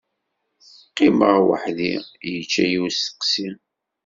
Qqimeɣ weḥd-i, yečča-yi usteqsi.